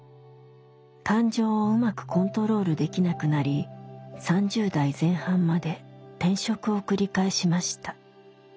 感情をうまくコントロールできなくなり３０代前半まで転職を繰り返しました。